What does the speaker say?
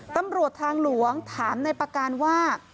ตำรวจทางหลวงถามในประการว่า